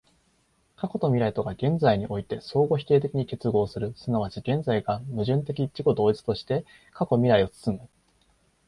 過去と未来とが現在において相互否定的に結合する、即ち現在が矛盾的自己同一として過去未来を包む、